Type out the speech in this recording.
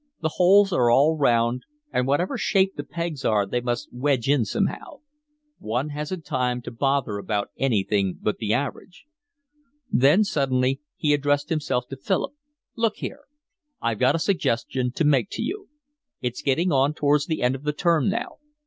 The holes are all round, and whatever shape the pegs are they must wedge in somehow. One hasn't time to bother about anything but the average." Then suddenly he addressed himself to Philip: "Look here, I've got a suggestion to make to you. It's getting on towards the end of the term now.